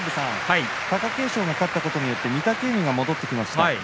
貴景勝が勝ったことによって御嶽海、戻ってきました。